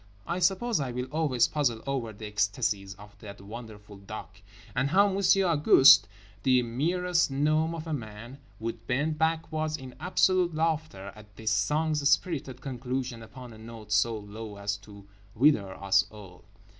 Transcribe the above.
_" I suppose I will always puzzle over the ecstasies of That Wonderful Duck. And how Monsieur Auguste, the merest gnome of a man, would bend backwards in absolute laughter at this song's spirited conclusion upon a note so low as to wither us all.